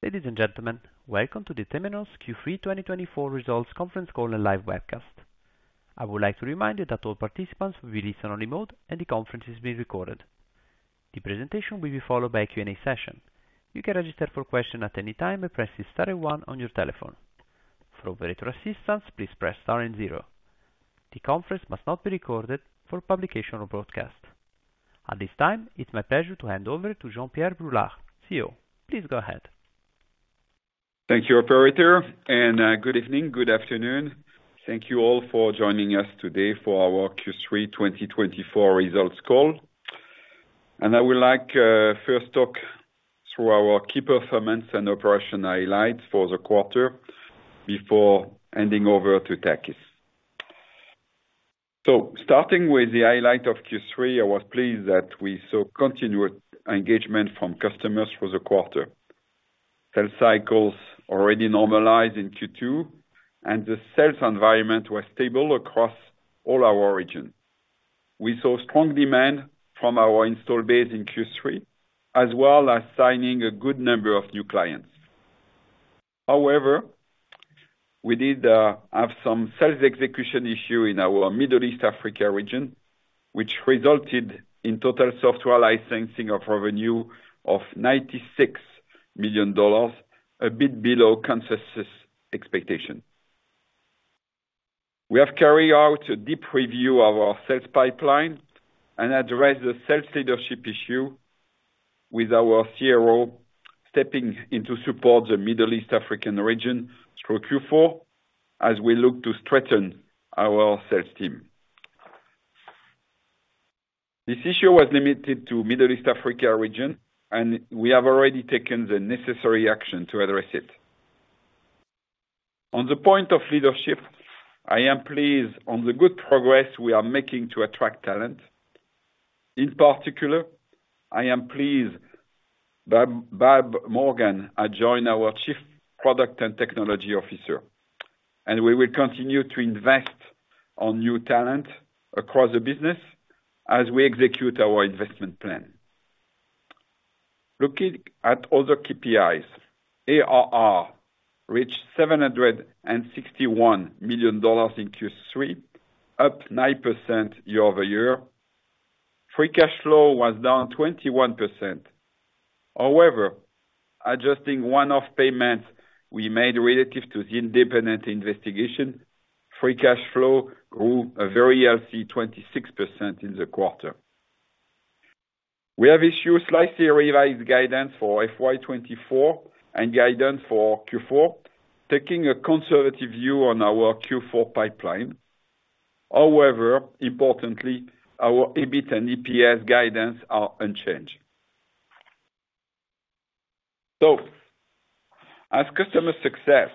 Ladies and gentlemen, welcome to the Temenos Q3 2024 Results Conference Call and live webcast. I would like to remind you that all participants will be in listen-only mode, and the conference is being recorded. The presentation will be followed by a Q&A session. You can register a question at any time by pressing star and one on your telephone. For operator assistance, please press star and zero. The conference must not be recorded for publication or broadcast. At this time, it's my pleasure to hand over to Jean-Pierre Brulard, CEO. Please go ahead. Thank you, operator, and good evening, good afternoon. Thank you all for joining us today for our Q3 2024 results call. And I would like first talk through our key performance and operational highlights for the quarter before handing over to Takis. So starting with the highlight of Q3, I was pleased that we saw continued engagement from customers through the quarter. Sales cycles already normalized in Q2, and the sales environment was stable across all our regions. We saw strong demand from our install base in Q3, as well as signing a good number of new clients. However, we did have some sales execution issue in our Middle East, Africa region, which resulted in Total Software Licensing revenue of $96 million, a bit below consensus expectation. We have carried out a deep review of our sales pipeline and addressed the sales leadership issue with our CRO, stepping in to support the Middle East, Africa region through Q4, as we look to strengthen our sales team. This issue was limited to Middle East, Africa region, and we have already taken the necessary action to address it. On the point of leadership, I am pleased on the good progress we are making to attract talent. In particular, I am pleased Barb Morgan has joined our Chief Product and Technology Officer, and we will continue to invest on new talent across the business as we execute our investment plan. Looking at other KPIs, ARR reached $761 million in Q3, up 9% year over year. Free cash flow was down 21%. However, adjusting one-off payments we made relative to the independent investigation, free cash flow grew a very healthy 26% in the quarter. We have issued slightly revised guidance for FY 2024 and guidance for Q4, taking a conservative view on our Q4 pipeline. However, importantly, our EBIT and EPS guidance are unchanged. So, as customer success,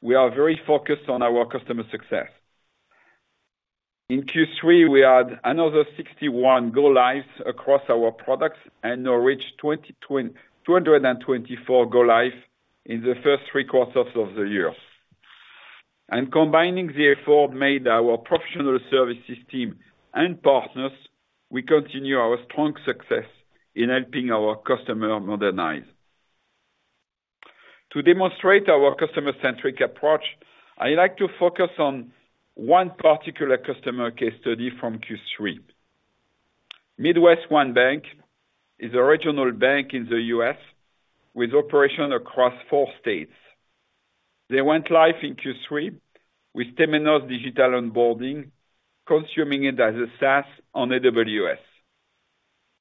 we are very focused on our customer success. In Q3, we had another 61 go-lives across our products and now reach 224 go-lives in the first three quarters of the year. Combining the effort made our professional services team and partners, we continue our strong success in helping our customer modernize. To demonstrate our customer-centric approach, I'd like to focus on one particular customer case study from Q3. MidwestOne Bank is a regional bank in the U.S. with operation across four states. They went live in Q3 with Temenos Digital Onboarding, consuming it as a SaaS on AWS.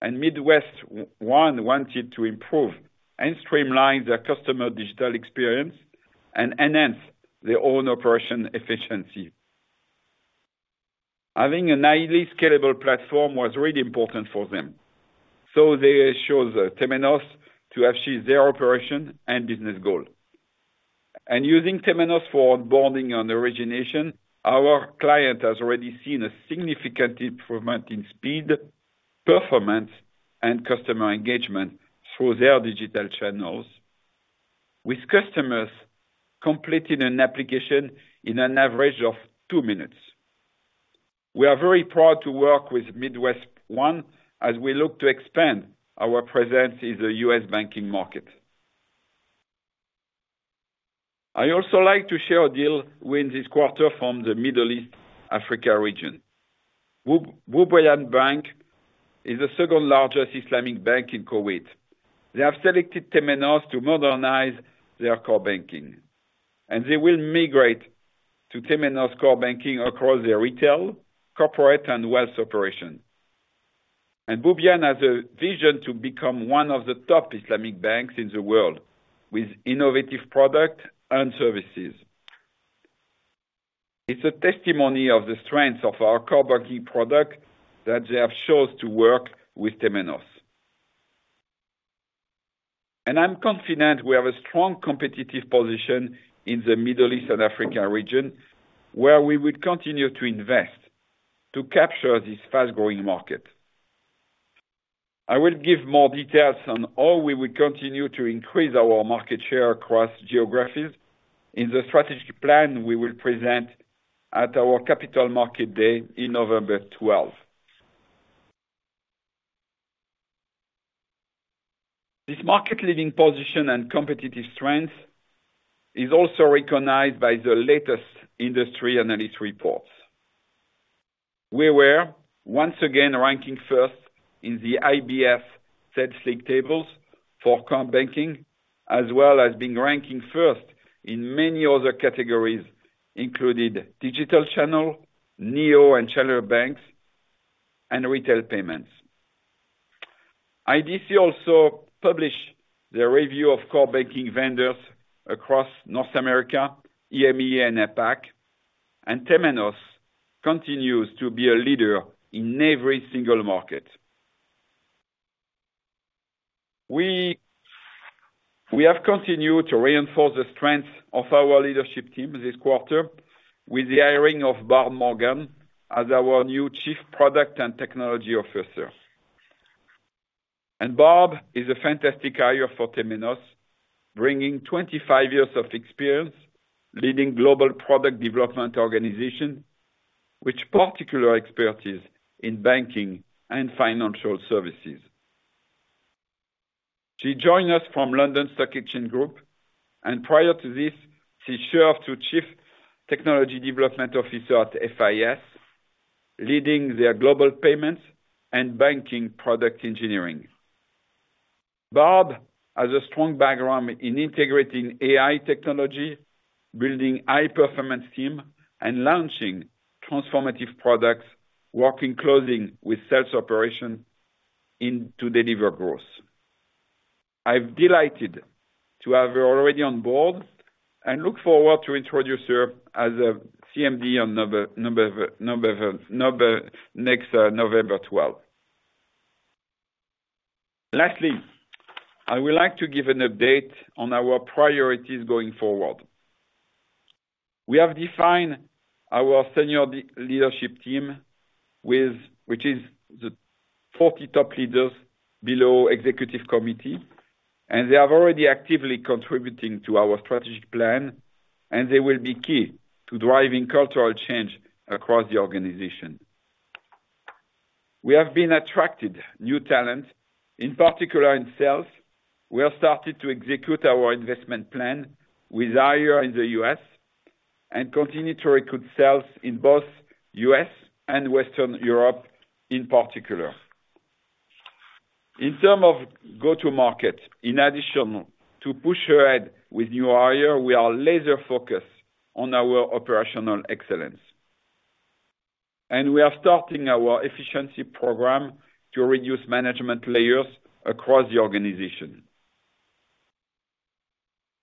And MidwestOne wanted to improve and streamline their customer digital experience and enhance their own operation efficiency. Having a highly scalable platform was really important for them, so they chose Temenos to achieve their operation and business goal. And using Temenos for onboarding and origination, our client has already seen a significant improvement in speed, performance, and customer engagement through their digital channels, with customers completing an application in an average of two minutes. We are very proud to work with MidwestOne as we look to expand our presence in the U.S. banking market. I also like to share a deal with this quarter from the Middle East, Africa region. Boubyan Bank is the second largest Islamic bank in Kuwait. They have selected Temenos to modernize their core banking, and they will migrate to Temenos Core Banking across their retail, corporate, and wealth operation. And Boubyan has a vision to become one of the top Islamic banks in the world, with innovative product and services. It's a testimony of the strength of our core banking product that they have chose to work with Temenos. And I'm confident we have a strong competitive position in the Middle East and Africa region, where we will continue to invest to capture this fast-growing market. I will give more details on how we will continue to increase our market share across geographies in the strategic plan we will present at our Capital Markets Day in November 12. This market leading position and competitive strength is also recognized by the latest industry analyst reports. We were once again ranked first in the IBS Sales League Tables for core banking, as well as being ranked first in many other categories, including digital channel, neo and challenger banks, and retail payments. IDC also published their review of core banking vendors across North America, EMEA, and APAC, and Temenos continues to be a leader in every single market. We have continued to reinforce the strength of our leadership team this quarter with the hiring of Barb Morgan as our new Chief Product and Technology Officer. Barb is a fantastic hire for Temenos, bringing twenty-five years of experience leading global product development organization, with particular expertise in banking and financial services. She joined us from London Stock Exchange Group, and prior to this, she served as Chief Technology Development Officer at FIS, leading their global payments and banking product engineering. Barb has a strong background in integrating AI technology, building high-performance team, and launching transformative products, working closely with sales operation in to deliver growth. I'm delighted to have her already on board and look forward to introduce her at the CMD on next November twelve. Lastly, I would like to give an update on our priorities going forward. We have defined our senior leadership team with which is the 40 top leaders below Executive Committee, and they are already actively contributing to our strategic plan, and they will be key to driving cultural change across the organization. We have been attracted new talent, in particular in sales. We have started to execute our investment plan with hire in the U.S. and continue to recruit sales in both U.S. and Western Europe in particular. In terms of go-to-market, in addition to push ahead with new hire, we are laser focused on our operational excellence, and we are starting our efficiency program to reduce management layers across the organization.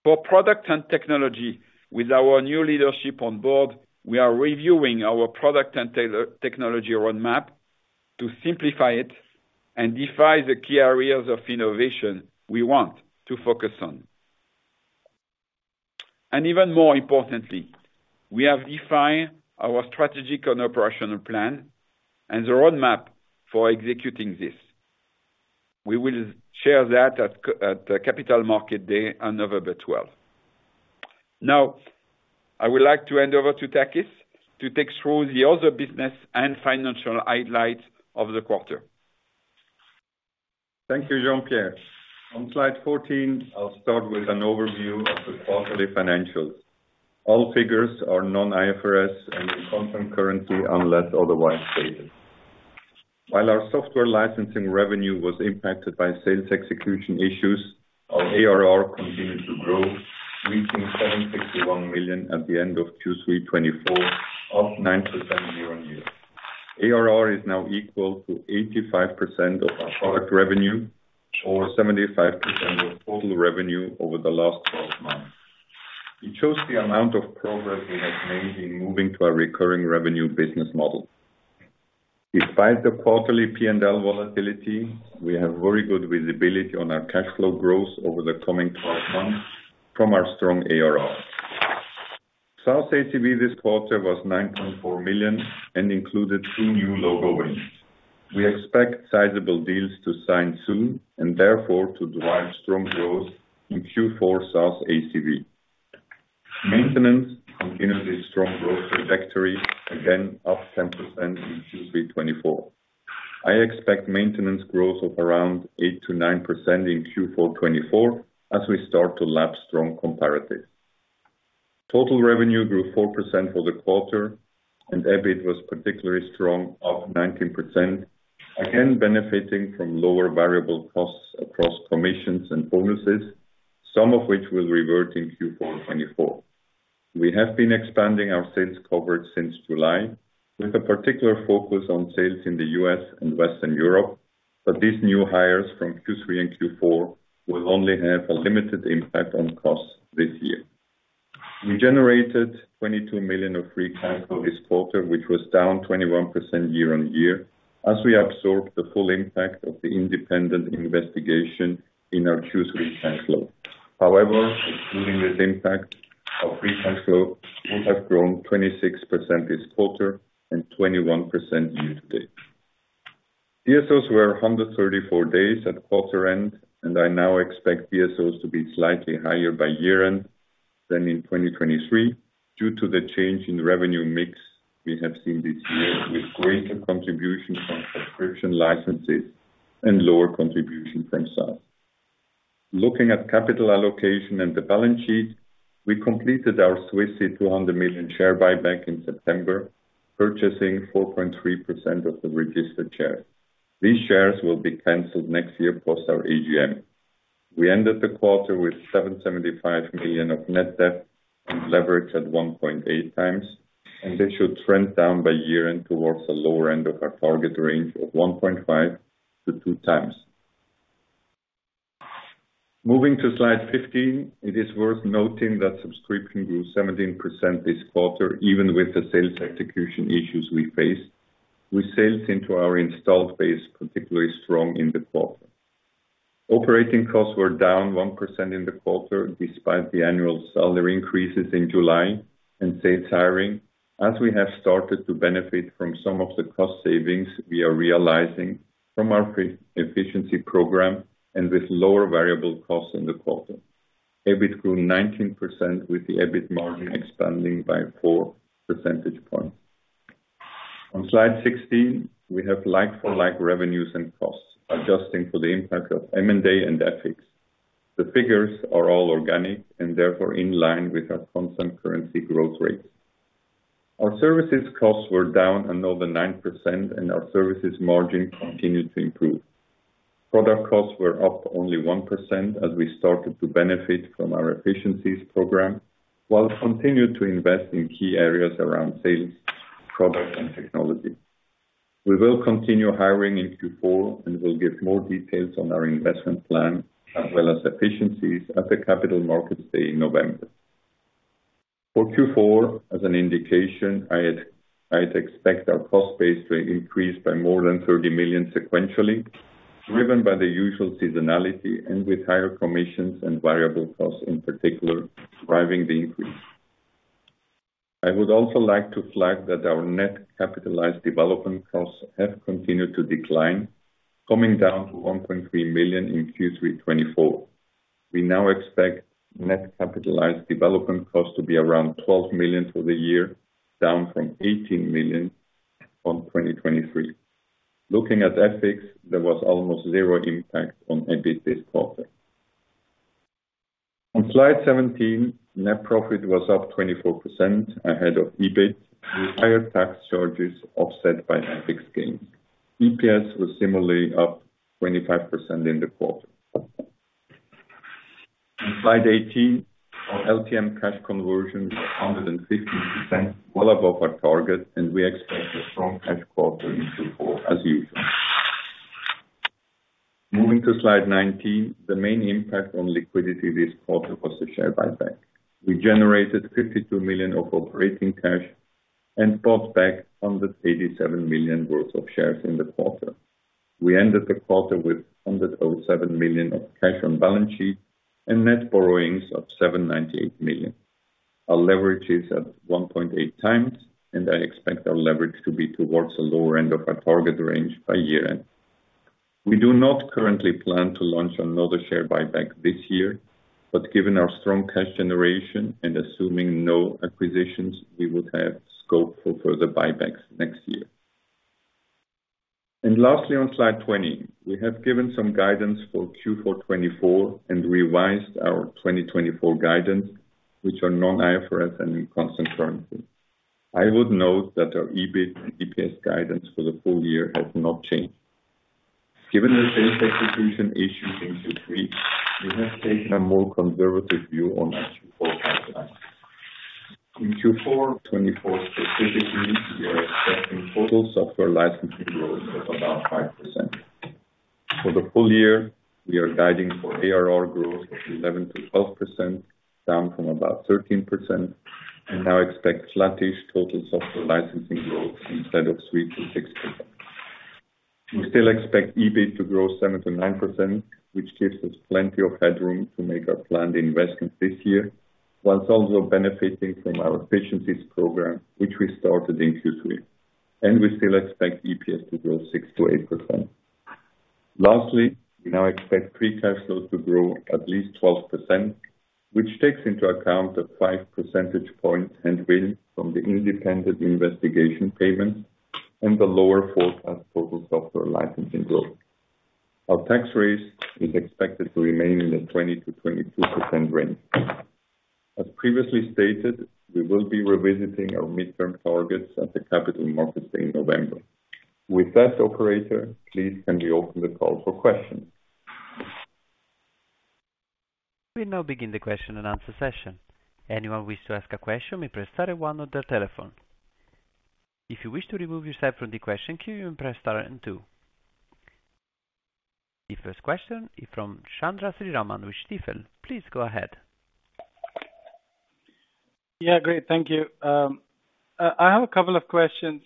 For product and technology, with our new leadership on board, we are reviewing our product and technology roadmap to simplify it and define the key areas of innovation we want to focus on. Even more importantly, we have defined our strategic and operational plan and the roadmap for executing this. We will share that at the Capital Markets Day on November 12. Now, I would like to hand over to Takis to take through the other business and financial highlights of the quarter. Thank you, Jean-Pierre. On slide 14, I'll start with an overview of the quarterly financials. All figures are non-IFRS and in constant currency, unless otherwise stated. While our software licensing revenue was impacted by sales execution issues, our ARR continued to grow, reaching $761 million at the end of Q3 2024, up 9% year on year. ARR is now equal to 85% of our product revenue, or 75% of total revenue over the last twelve months. It shows the amount of progress we have made in moving to a recurring revenue business model. Despite the quarterly P&L volatility, we have very good visibility on our cash flow growth over the coming twelve months from our strong ARR. SaaS ACV this quarter was $9.4 million and included two new logo wins. We expect sizable deals to sign soon and therefore to drive strong growth in Q4 SaaS ACV. Maintenance continued its strong growth trajectory, again up 10% in Q3 2024. I expect maintenance growth of around 8%-9% in Q4 2024 as we start to lap strong comparatives. Total revenue grew 4% for the quarter, and EBIT was particularly strong, up 19%, again, benefiting from lower variable costs across commissions and bonuses, some of which will revert in Q4 2024. We have been expanding our sales coverage since July, with a particular focus on sales in the U.S. and Western Europe, but these new hires from Q3 and Q4 will only have a limited impact on costs this year. We generated $22 million of free cash flow this quarter, which was down 21% year on year, as we absorbed the full impact of the independent investigation in our Q3 cash flow. However, including this impact, our free cash flow would have grown 26% this quarter and 21% year to date. DSOs were 134 days at quarter end, and I now expect DSOs to be slightly higher by year end than in 2023, due to the change in revenue mix we have seen this year, with greater contribution from subscription licenses and lower contribution from sales. Looking at capital allocation and the balance sheet, we completed our Swiss 200 million share buyback in September, purchasing 4.3% of the registered shares. These shares will be canceled next year post our AGM. We ended the quarter with $775 million of net debt and leverage at 1.8 times, and this should trend down by year-end towards the lower end of our target range of 1.5-2 times. Moving to slide 15, it is worth noting that subscription grew 17% this quarter, even with the sales execution issues we faced. We sold into our installed base, particularly strong in the quarter. Operating costs were down 1% in the quarter, despite the annual salary increases in July and sales hiring, as we have started to benefit from some of the cost savings we are realizing from our pre-efficiency program and with lower variable costs in the quarter. EBIT grew 19%, with the EBIT margin expanding by four percentage points. On slide sixteen, we have like-for-like revenues and costs, adjusting for the impact of M&A and FX. The figures are all organic and therefore in line with our constant currency growth rate. Our services costs were down another 9%, and our services margin continued to improve. Product costs were up only 1% as we started to benefit from our efficiencies program, while we continued to invest in key areas around sales, product, and technology. We will continue hiring in Q4, and we'll give more details on our investment plan as well as efficiencies at the Capital Markets Day in November. For Q4, as an indication, I'd expect our cost base to increase by more than $30 million sequentially, driven by the usual seasonality and with higher commissions and variable costs in particular, driving the increase. I would also like to flag that our net capitalized development costs have continued to decline, coming down to $1.3 million in Q3 2024. We now expect net capitalized development costs to be around $12 million for the year, down from $18 million from 2023. Looking at FX, there was almost zero impact on EBIT this quarter. On slide 17, net profit was up 24% ahead of EBIT, with higher tax charges offset by net fixed gains. EPS was similarly up 25% in the quarter. On slide 18, our LTM cash conversion was 150%, well above our target, and we expect a strong cash quarter in Q4 as usual. Moving to slide 19, the main impact on liquidity this quarter was the share buyback. We generated $52 million of operating cash and bought back $187 million worth of shares in the quarter. We ended the quarter with $107 million of cash on balance sheet and net borrowings of $798 million. Our leverage is at 1.8 times, and I expect our leverage to be towards the lower end of our target range by year-end. We do not currently plan to launch another share buyback this year, but given our strong cash generation and assuming no acquisitions, we would have scope for further buybacks next year. Lastly, on slide 20, we have given some guidance for Q4 2024 and revised our 2024 guidance, which are non-IFRS and in constant currency. I would note that our EBIT and EPS guidance for the full year has not changed. Given the sales execution issues in Q3, we have taken a more conservative view on our Q4 pipeline. In Q4 twenty-four, specifically, we are expecting total software licensing growth of about 5%. For the full year, we are guiding for ARR growth of 11%-12%, down from about 13%, and now expect flattish total software licensing growth instead of 3%-6%. We still expect EBIT to grow 7%-9%, which gives us plenty of headroom to make our planned investments this year, while also benefiting from our efficiencies program, which we started in Q3. And we still expect EPS to grow 6%-8%. Lastly, we now expect pre-tax sales to grow at least 12%, which takes into account the five percentage points headwinds from the independent investigation payment and the lower forecast total software licensing growth. Our tax rate is expected to remain in the 20%-22% range. As previously stated, we will be revisiting our midterm targets at the Capital Markets Day in November. With that, operator, please can we open the call for questions? We now begin the question and answer session. Anyone wish to ask a question may press star one on their telephone. If you wish to remove yourself from the question queue, you may press star and two. The first question is from Chandra Sriraman with Stifel. Please go ahead. Yeah, great. Thank you. I have a couple of questions.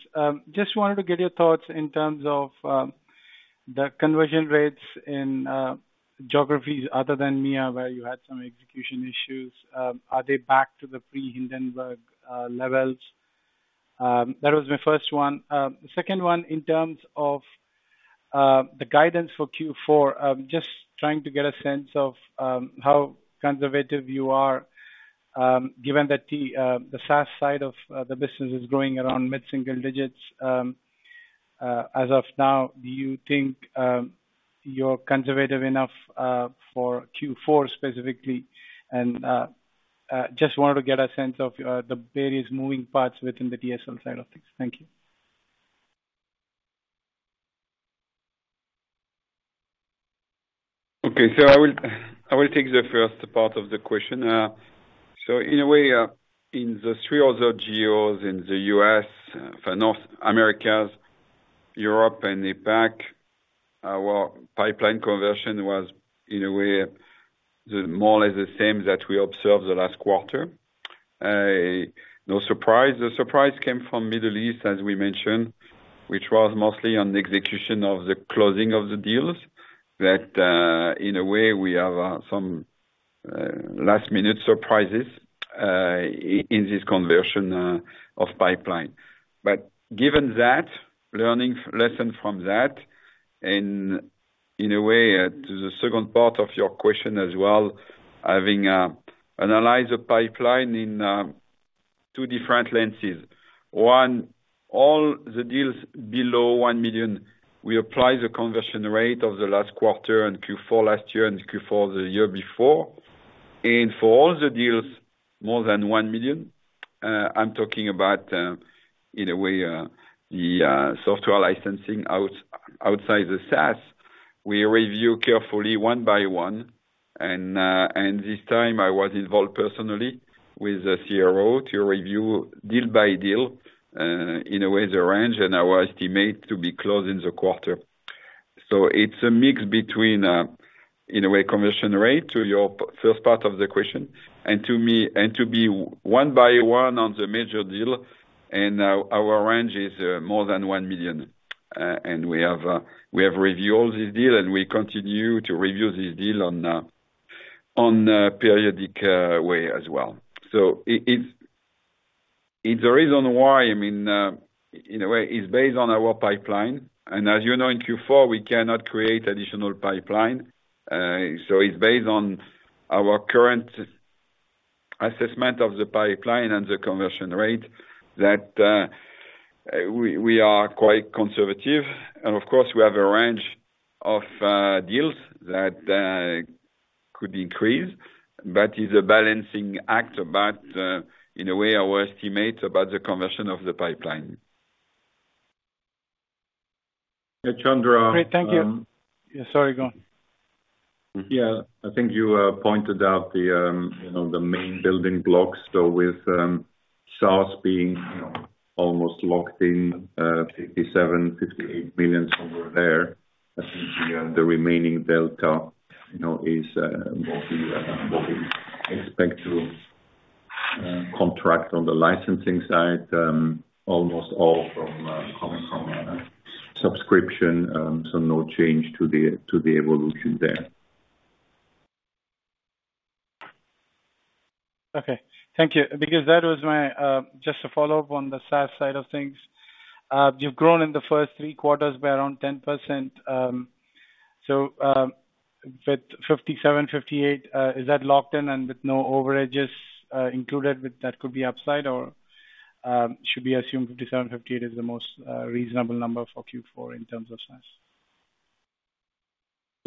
Just wanted to get your thoughts in terms of the conversion rates in geographies other than MEA, where you had some execution issues. Are they back to the pre-Hindenburg levels? That was my first one. The second one, in terms of the guidance for Q4, just trying to get a sense of how conservative you are, given that the SaaS side of the business is growing around mid-single digits. As of now, do you think you're conservative enough for Q4 specifically? Just wanted to get a sense of the various moving parts within the DSL side of things. Thank you. Okay. I will take the first part of the question. So in a way, in the three other geos, in the US for North America, Europe and APAC, our pipeline conversion was in a way more or less the same that we observed the last quarter. No surprise. The surprise came from Middle East, as we mentioned, which was mostly on the execution of the closing of the deals. That in a way we have some last-minute surprises in this conversion of pipeline. But given that, learning lesson from that, and in a way to the second part of your question as well, having analyzed the pipeline in two different lenses. One, all the deals below one million, we apply the conversion rate of the last quarter and Q4 last year and Q4 the year before. And for all the deals more than one million, I'm talking about, in a way, the software licensing outside the SaaS, we review carefully one by one, and this time I was involved personally with the CRO to review deal by deal, in a way, the range and our estimate to be closed in the quarter. So it's a mix between, in a way, conversion rate, to your first part of the question, and one by one on the major deal, and our range is more than one million. And we have reviewed this deal, and we continue to review this deal on a periodic way as well. So it's the reason why, I mean, in a way, it's based on our pipeline, and as you know, in Q4, we cannot create additional pipeline. So it's based on our current assessment of the pipeline and the conversion rate that we are quite conservative. And of course, we have a range of deals that could increase, but it's a balancing act about, in a way, our estimate about the conversion of the pipeline. Hey, Chandra, Great, thank you. Yeah, sorry, go on. Yeah, I think you pointed out the, you know, the main building blocks. So with SaaS being, you know, almost locked in, $57-58 million somewhere there, I think the remaining delta, you know, is what we expect to contract on the licensing side, almost all from coming from subscription. So no change to the evolution there. Okay. Thank you, because that was my... Just a follow-up on the SaaS side of things. You've grown in the first three quarters by around 10%. So, with 57-58, is that locked in and with no overages included, with that could be upside or should be assumed 57-58 is the most reasonable number for Q4 in terms of SaaS?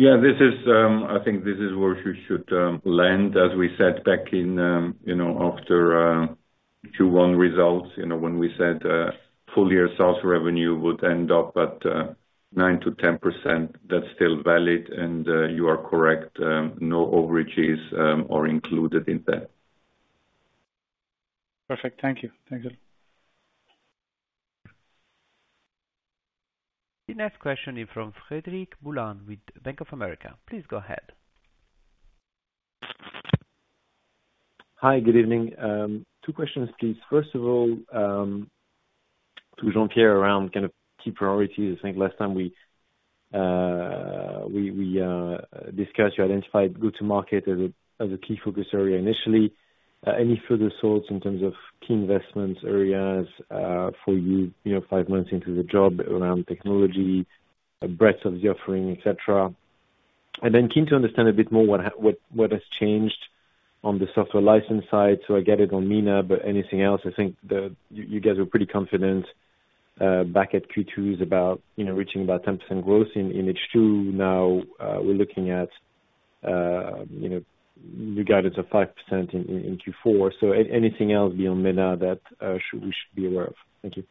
Yeah, this is, I think this is where we should land, as we said back in, you know, after, Q1 results, you know, when we said, full year SaaS revenue would end up at, 9%-10%. That's still valid, and, you are correct, no overages are included in that. Perfect. Thank you. Thank you. The next question is from Frederic Boulan with Bank of America. Please go ahead. Hi, good evening. Two questions, please. First of all, to Jean-Pierre around kind of key priorities. I think last time we discussed, you identified go-to-market as a key focus area initially. Any further thoughts in terms of key investment areas, for you, you know, five months into the job around technology, the breadth of the offering, et cetera? And then keen to understand a bit more what has changed on the software license side. So I get it on MENA, but anything else? I think you guys were pretty confident, back at Q2 about, you know, reaching about 10% growth in H2. Now, we're looking at, you know, in the region of 5% in Q4. So anything else beyond MENA that we should be aware of? Thank you.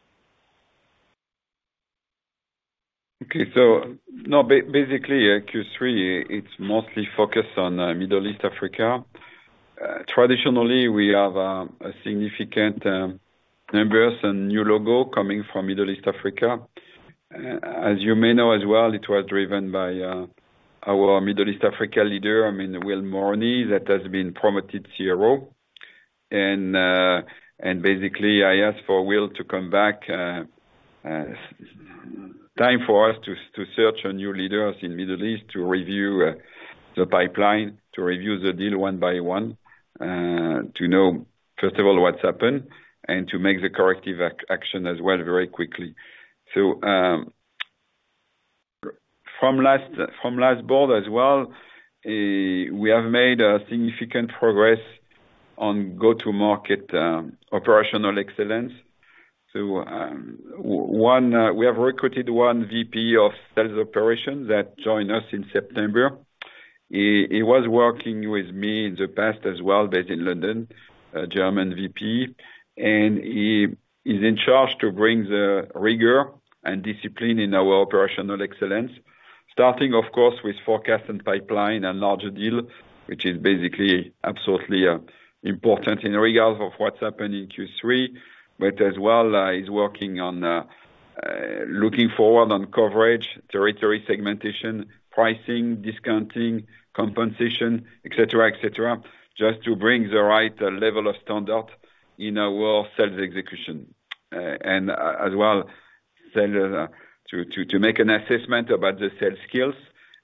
Okay, so no, basically, Q3 it's mostly focused on Middle East/Africa. Traditionally, we have a significant numbers and new logo coming from Middle East/Africa. As you may know as well, it was driven by our Middle East/Africa leader, I mean, Will Moroney that has been promoted CRO, and basically I asked for Will to come back. Time for us to search our new leaders in Middle East, to review the pipeline, to review the deal one by one, to know, first of all, what's happened, and to make the corrective action as well very quickly. From last board as well, we have made a significant progress on go-to-market operational excellence. One, we have recruited one VP of sales operations that joined us in September. He was working with me in the past as well, based in London, a German VP, and he is in charge to bring the rigor and discipline in our operational excellence. Starting, of course, with forecast and pipeline and larger deal, which is basically absolutely important in regards of what's happened in Q3, but as well, he's working on looking forward on coverage, territory segmentation, pricing, discounting, compensation, et cetera, et cetera, just to bring the right level of standard in our sales execution. And as well, sales to make an assessment about the sales skills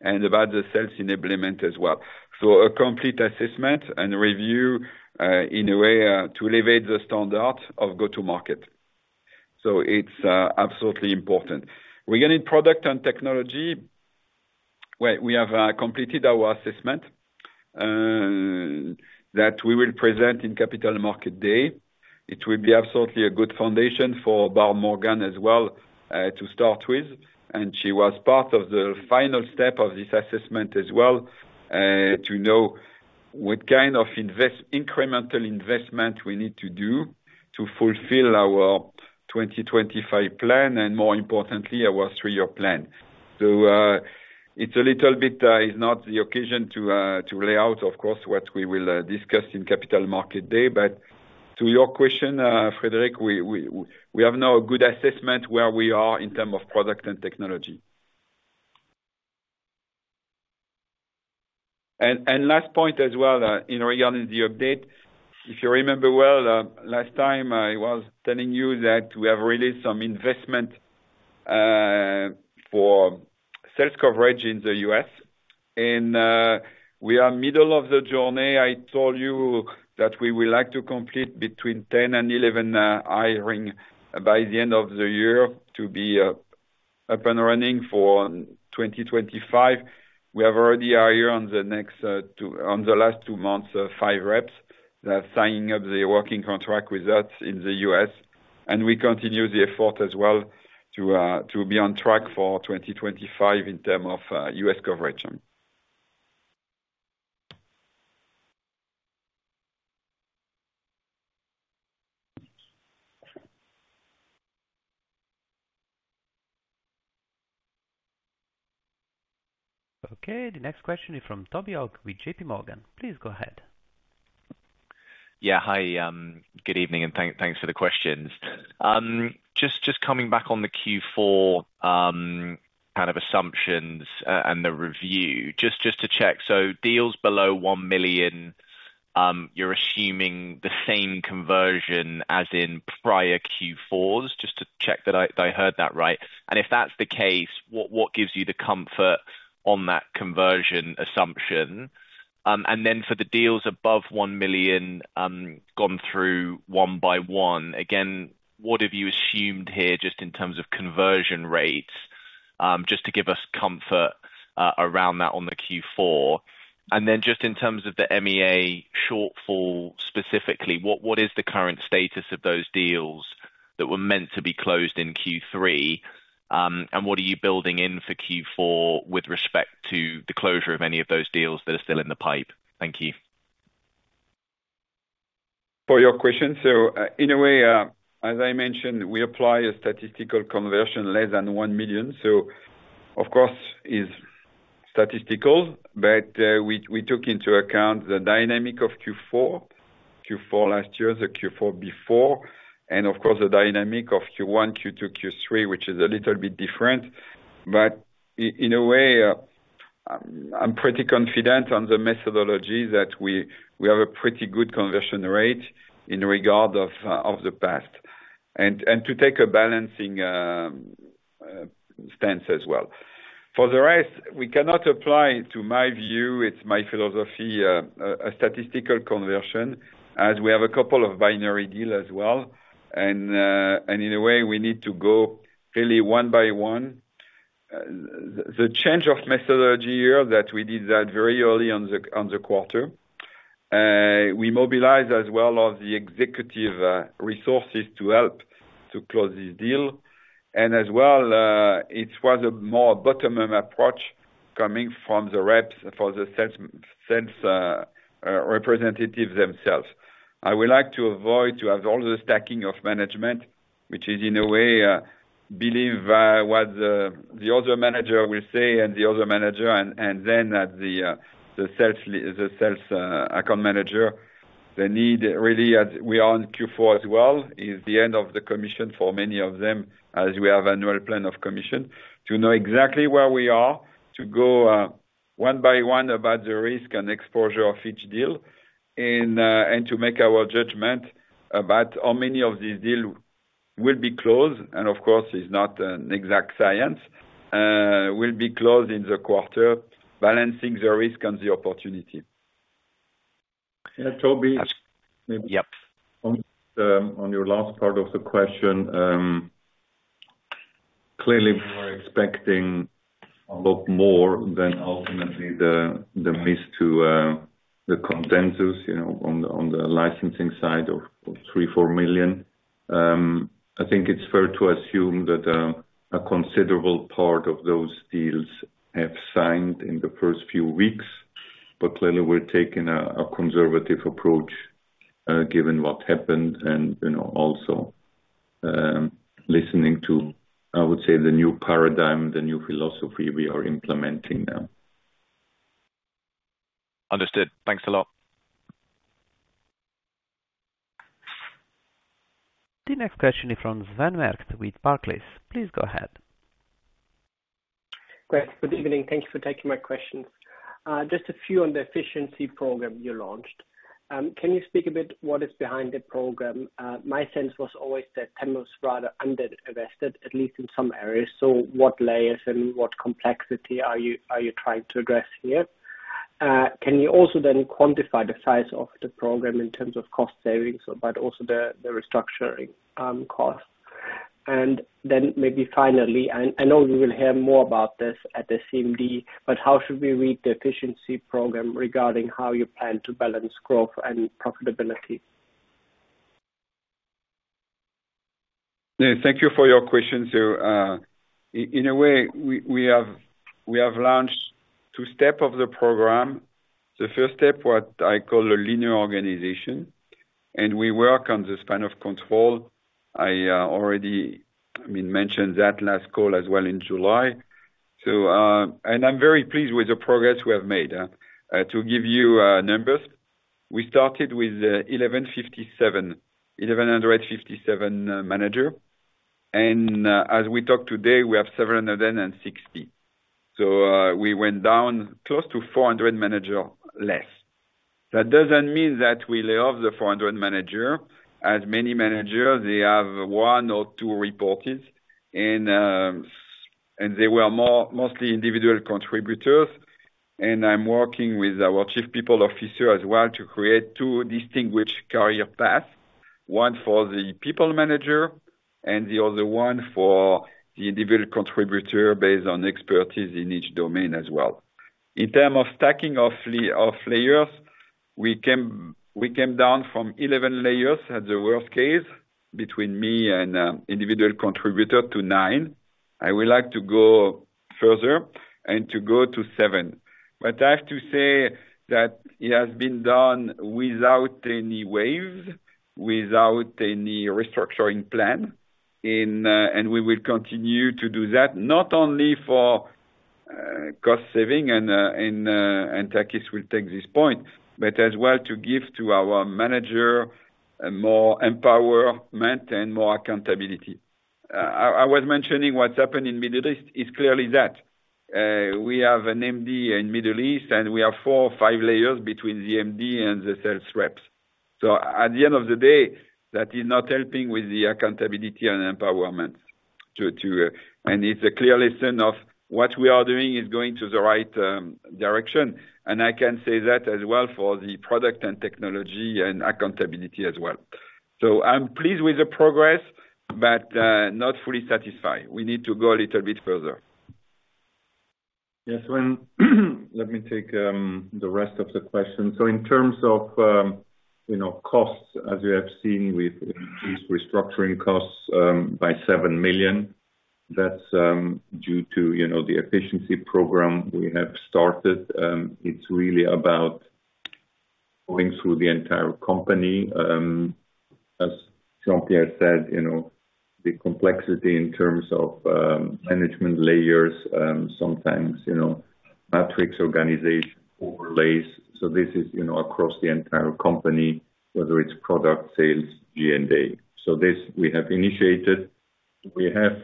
and about the sales enablement as well. So a complete assessment and review in a way to elevate the standard of go-to-market. So it's absolutely important. Regarding product and technology, well, we have completed our assessment that we will present in Capital Markets Day. It will be absolutely a good foundation for Barb Morgan as well to start with, and she was part of the final step of this assessment as well to know what kind of incremental investment we need to do to fulfill our twenty twenty-five plan, and more importantly, our three-year plan. So, it's a little bit, it's not the occasion to lay out, of course, what we will discuss in Capital Markets Day, but to your question, Frederic, we have now a good assessment where we are in term of product and technology. Last point as well, in regarding the update, if you remember well, last time I was telling you that we have released some investment for sales coverage in the U.S., and we are middle of the journey. I told you that we would like to complete between 10 and 11 hiring by the end of the year, to be up and running for 2025. We have already hired on the last two months, five reps. They are signing up the working contract with us in the U.S., and we continue the effort as well to be on track for 2025 in term of U.S. coverage. Okay, the next question is from Toby Ogg with J.P. Morgan. Please go ahead. Yeah. Hi, good evening, and thanks for the questions. Just coming back on the Q4 kind of assumptions and the review, just to check: so deals below one million, you're assuming the same conversion as in prior Q4s? Just to check that I heard that right. And if that's the case, what gives you the comfort on that conversion assumption? And then for the deals above one million, gone through one by one, again, what have you assumed here, just in terms of conversion rates, just to give us comfort around that on the Q4? And then just in terms of the MEA shortfall, specifically, what is the current status of those deals that were meant to be closed in Q3? What are you building in for Q4 with respect to the closure of any of those deals that are still in the pipe? Thank you. For your question, so, in a way, as I mentioned, we apply a statistical conversion less than one million, so of course is statistical, but we took into account the dynamic of Q4 last year, the Q4 before, and of course, the dynamic of Q1, Q2, Q3, which is a little bit different. But in a way, I'm pretty confident on the methodology that we have a pretty good conversion rate in regard of the past, and to take a balancing stance as well. For the rest, we cannot apply, to my view, it's my philosophy, a statistical conversion, as we have a couple of binary deal as well, and in a way, we need to go really one by one. The change of methodology here, that we did that very early on the quarter, we mobilize as well of the executive resources to help to close this deal. As well, it was a more bottom-up approach coming from the reps for the sales representatives themselves. I would like to avoid to have all the stacking of management, which is, in a way, believe what the other manager will say and the other manager, and then at the sales account manager, the need really as we are on Q4 as well, is the end of the commission for many of them, as we have annual plan of commission. To know exactly where we are, to go... one by one about the risk and exposure of each deal, and to make our judgment about how many of these deals will be closed, and of course, it's not an exact science, will be closed in the quarter, balancing the risk and the opportunity. Yeah, Toby? Yep. On your last part of the question, clearly we were expecting a lot more than ultimately the miss to the consensus, you know, on the licensing side of $3-$4 million. I think it's fair to assume that a considerable part of those deals have signed in the first few weeks, but clearly we're taking a conservative approach, given what happened and, you know, also listening to, I would say, the new paradigm, the new philosophy we are implementing now. Understood. Thanks a lot. The next question is from Sven Merkt with Barclays. Please go ahead. Great. Good evening. Thank you for taking my questions. Just a few on the efficiency program you launched. Can you speak a bit what is behind the program? My sense was always that Temenos was rather underinvested, at least in some areas, so what layers and what complexity are you trying to address here? Can you also then quantify the size of the program in terms of cost savings, but also the restructuring cost? And then maybe finally, I know we will hear more about this at the CMD, but how should we read the efficiency program regarding how you plan to balance growth and profitability? Yeah, thank you for your question, sir. In a way, we have launched two-step of the program. The first step, what I call a linear organization, and we work on the span of control. I already, I mean, mentioned that last call as well in July, and I'm very pleased with the progress we have made. To give you numbers, we started with 1,157, eleven hundred fifty-seven managers, and as we talk today, we have 760. So we went down close to 400 managers less. That doesn't mean that we lay off the 400 managers. As many managers, they have one or two reportees, and they were mostly individual contributors, and I'm working with our Chief People Officer as well to create two distinguished career paths, one for the people manager, and the other one for the individual contributor, based on expertise in each domain as well. In terms of stacking of layers, we came down from 11 layers, as the worst case, between me and individual contributor to nine. I would like to go further and to go to seven. But I have to say that it has been done without any waves, without any restructuring plan, and we will continue to do that, not only for cost saving, and Takis will take this point, but as well to give to our manager more empowerment and more accountability. I was mentioning what's happened in Middle East is clearly that we have an MD in Middle East, and we have four, five layers between the MD and the sales reps. So at the end of the day, that is not helping with the accountability and empowerment to and it's a clear lesson of what we are doing is going to the right direction. I can say that as well for the product and technology and accountability as well. So I'm pleased with the progress, but not fully satisfied. We need to go a little bit further. Yes, Sven, let me take the rest of the question. So in terms of you know costs, as you have seen with these restructuring costs by seven million, that's due to you know the efficiency program we have started. It's really about going through the entire company, as Jean-Pierre said, you know the complexity in terms of management layers, sometimes you know metrics, organization, overlays. So this is you know across the entire company, whether it's product, sales, GNA. So this we have initiated. We have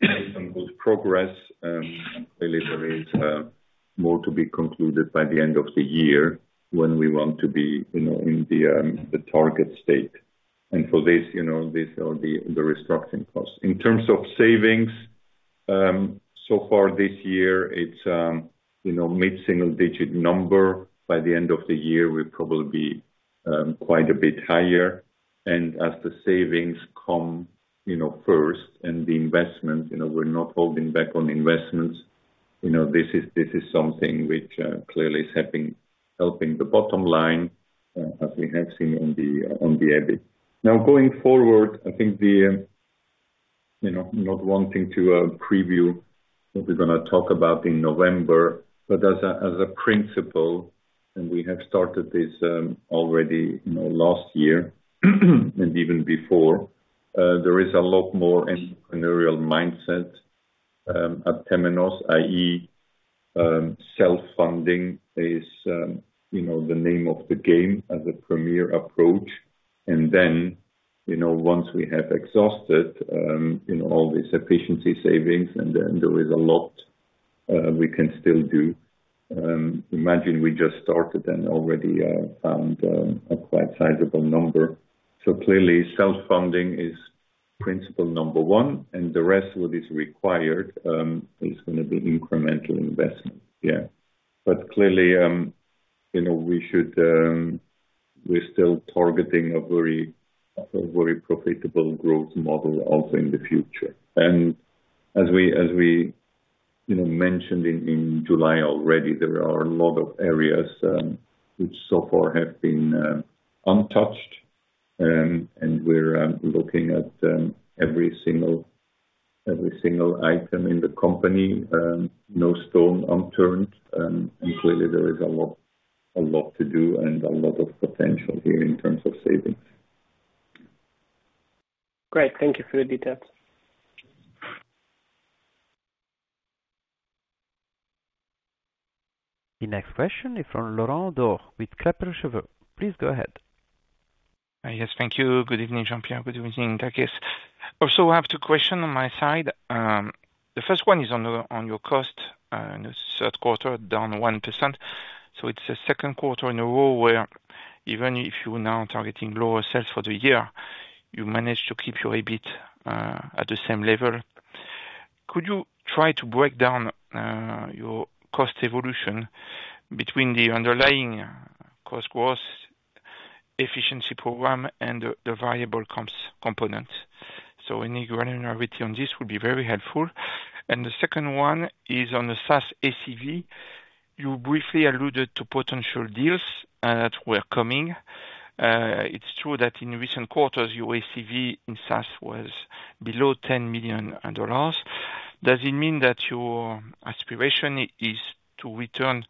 made some good progress, and clearly there is more to be concluded by the end of the year, when we want to be you know in the the target state. And for this you know these are the the restructuring costs. In terms of savings, so far this year, it's you know mid-single digit number. By the end of the year, we'll probably be quite a bit higher, and as the savings come you know first, and the investment you know, we're not holding back on investments. You know, this is something which clearly is helping the bottom line, as we have seen on the EBIT. Now, going forward, I think the... You know, not wanting to preview what we're gonna talk about in November, but as a principle, and we have started this already you know last year, and even before, there is a lot more entrepreneurial mindset at Temenos, i.e., self-funding is you know the name of the game as a primary approach, and then-... You know, once we have exhausted, you know, all these efficiency savings, and then there is a lot we can still do. Imagine we just started and already found a quite sizable number. So clearly, self-funding is principle number one, and the rest, what is required, is gonna be incremental investment. Yeah, but clearly, you know, we should, we're still targeting a very, a very profitable growth model also in the future, and as we, as we, you know, mentioned in, in July already, there are a lot of areas which so far have been untouched, and we're looking at every single, every single item in the company, no stone unturned, and clearly there is a lot, a lot to do and a lot of potential here in terms of savings. Great. Thank you for the details. The next question is from Laurent Daure with Kepler Cheuvreux. Please go ahead. Yes, thank you. Good evening, Jean-Pierre, good evening, Takis. Also, I have two questions on my side. The first one is on your cost in the third quarter, down 1%. So it's the second quarter in a row where even if you are now targeting lower sales for the year, you manage to keep your EBIT at the same level. Could you try to break down your cost evolution between the underlying cost growth, efficiency program and the variable comps component? So any granularity on this would be very helpful. And the second one is on the SaaS ACV. You briefly alluded to potential deals that were coming. It's true that in recent quarters, your ACV in SaaS was below $10 million. Does it mean that your aspiration is to return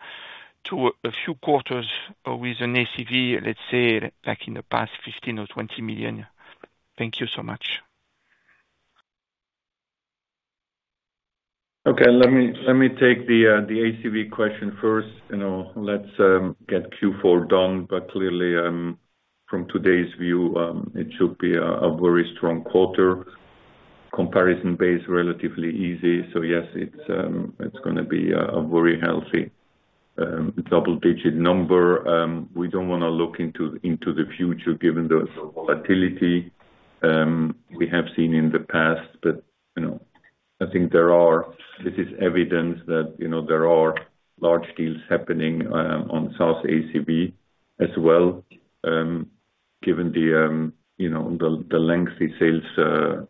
to a few quarters with an ACV, let's say, back in the past fifteen or twenty million? Thank you so much. Okay, let me take the ACV question first. You know, let's get Q4 done, but clearly, from today's view, it should be a very strong quarter. Comparison base, relatively easy, so yes, it's gonna be a very healthy double-digit number. We don't wanna look into the future, given the volatility we have seen in the past, but you know, I think there are. This is evidence that you know, there are large deals happening on SaaS ACV as well. Given the you know, the lengthy sales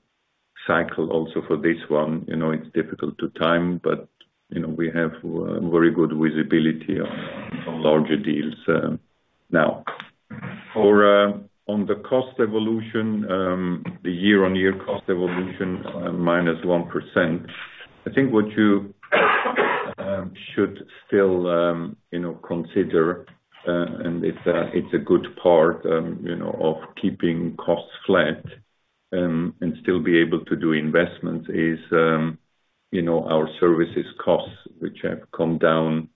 cycle also for this one, you know, it's difficult to time, but you know, we have very good visibility on larger deals now. For on the cost evolution, the year-on-year cost evolution, minus 1%, I think what you should still you know consider, and it's a good part you know of keeping costs flat and still be able to do investments is you know our services costs, which have come down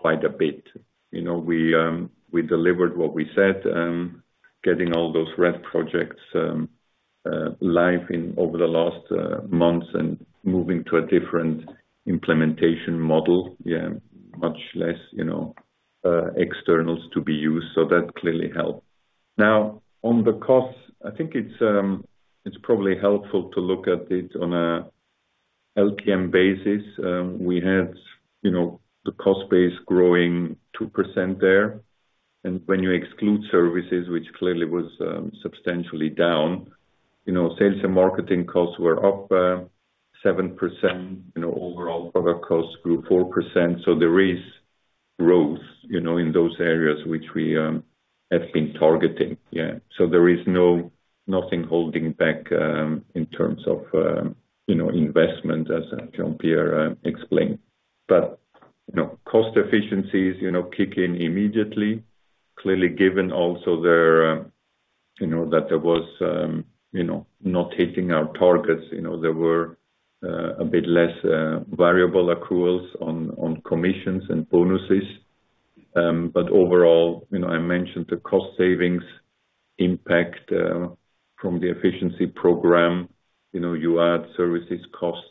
quite a bit. You know, we we delivered what we said, getting all those red projects live in over the last months and moving to a different implementation model, yeah, much less you know externals to be used. So that clearly helped. Now, on the costs, I think it's probably helpful to look at it on a LTM basis. We have, you know, the cost base growing 2% there, and when you exclude services, which clearly was, substantially down, you know, sales and marketing costs were up, 7%. You know, overall, product costs grew 4%. So there is growth, you know, in those areas which we, have been targeting. Yeah. So there is nothing holding back, in terms of, you know, investment, as Jean-Pierre, explained. But, you know, cost efficiencies, you know, kick in immediately. Clearly given also there, you know, that there was, you know, not hitting our targets, you know, there were, a bit less, variable accruals on, commissions and bonuses. But overall, you know, I mentioned the cost savings impact, from the efficiency program. You know, you add services costs,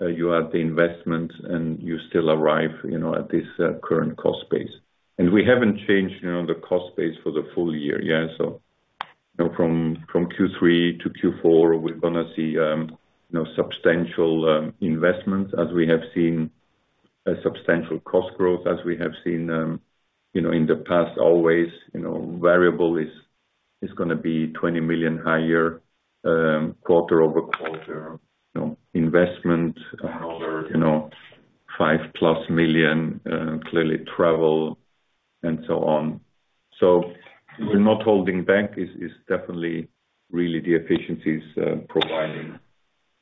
you add the investment, and you still arrive, you know, at this current cost base, and we haven't changed, you know, the cost base for the full year, yeah. So, you know, from Q3 to Q4, we're gonna see, you know, substantial investment as we have seen a substantial cost growth, as we have seen, you know, in the past always. You know, variable is gonna be 20 million higher quarter over quarter. You know, investment, you know, 5 plus million, clearly travel and so on. So we're not holding back, it's definitely really the efficiencies providing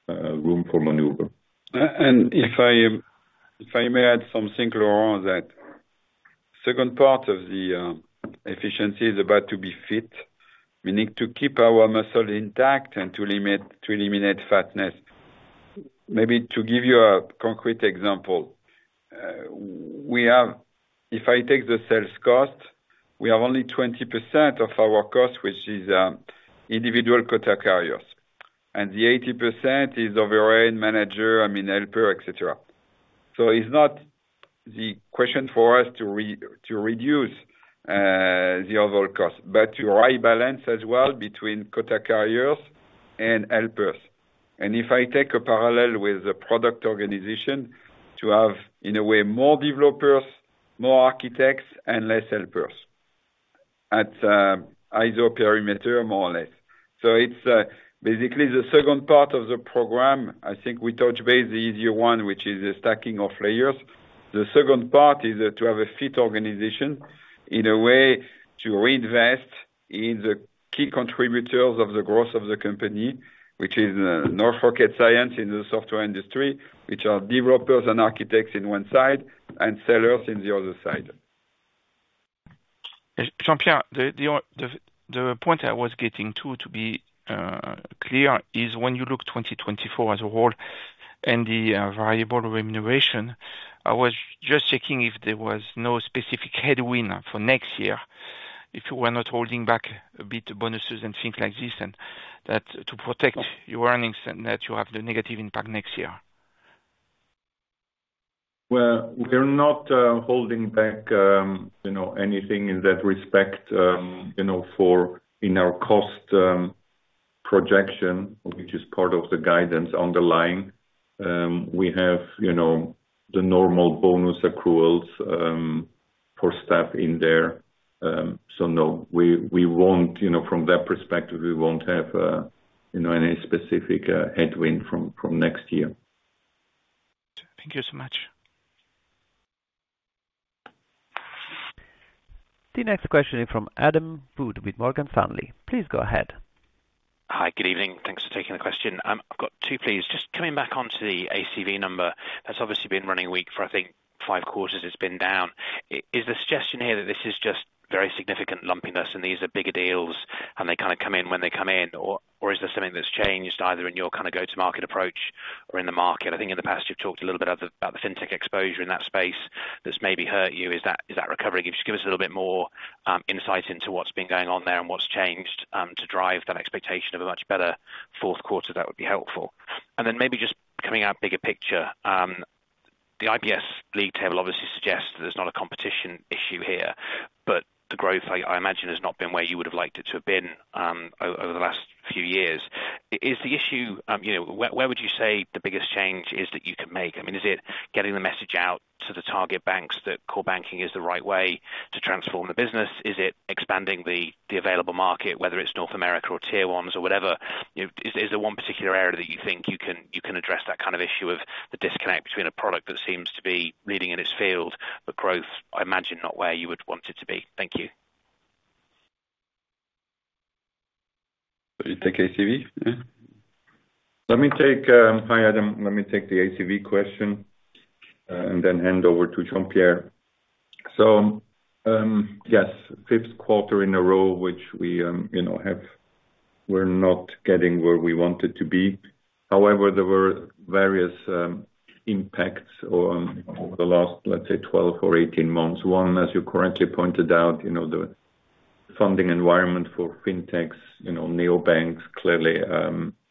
room for maneuver. If I may add something, Laurent, that second part of the efficiency is about being fit. We need to keep our muscle intact and to limit, to eliminate fatness. Maybe to give you a concrete example-... we have, if I take the sales cost, we have only 20% of our cost, which is individual quota carriers, and the 80% is overhead, manager, I mean, helper, et cetera. So it's not the question for us to reduce the overall cost, but to rebalance as well between quota carriers and helpers. And if I take a parallel with the product organization, to have, in a way, more developers, more architects, and less helpers, at either perimeter, more or less. So it's basically the second part of the program. I think we touch base the easier one, which is the stacking of layers. The second part is to have a fit organization, in a way to reinvest in the key contributors of the growth of the company, which is no rocket science in the software industry, which are developers and architects in one side and sellers in the other side. Jean-Pierre, the point I was getting to, to be clear, is when you look at 2024 as a whole and the variable remuneration, I was just checking if there was no specific headwind for next year, if you were not holding back a bit, bonuses and things like this, and that to protect your earnings and that you have the negative impact next year. We're not holding back, you know, anything in that respect. You know, for in our cost projection, which is part of the guidance underlying, we have, you know, the normal bonus accruals for staff in there. So, no, we won't, you know, from that perspective, we won't have, you know, any specific headwind from next year. Thank you so much. The next question is from Adam Wood with Morgan Stanley. Please go ahead. Hi. Good evening. Thanks for taking the question. I've got two, please. Just coming back onto the ACV number, that's obviously been running weak for, I think, five quarters it's been down. Is the suggestion here that this is just very significant lumpiness, and these are bigger deals, and they kind of come in when they come in, or, or is there something that's changed, either in your kind of go-to-market approach or in the market? I think in the past, you've talked a little bit about the fintech exposure in that space, that's maybe hurt you. Is that recovering? If you just give us a little bit more insight into what's been going on there and what's changed to drive that expectation of a much better fourth quarter, that would be helpful. And then maybe just coming out bigger picture, the IBS league table obviously suggests that there's not a competition issue here, but the growth, I imagine, has not been where you would have liked it to have been over the last few years. Is the issue, you know, where would you say the biggest change is that you can make? I mean, is it getting the message out to the target banks that core banking is the right way to transform the business? Is it expanding the available market, whether it's North America or Tier 1s or whatever? You know, is there one particular area that you think you can address that kind of issue of the disconnect between a product that seems to be leading in its field, but growth, I imagine, not where you would want it to be? Thank you. You take ACV? Yeah. Let me take... Hi, Adam. Let me take the ACV question, and then hand over to Jean-Pierre. So, yes, fifth quarter in a row, which we, you know, have. We're not getting where we wanted to be. However, there were various impacts on over the last, let's say, twelve or eighteen months. One, as you correctly pointed out, you know, the funding environment for fintechs, you know, neobanks, clearly